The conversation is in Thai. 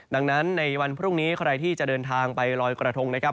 ดังนั้นในวันพรุ่งนี้ใครที่จะเดินทางไปลอยกระทงนะครับ